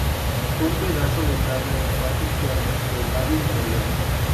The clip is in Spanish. Un pedazo de tabla en la parte interna del labio inferior.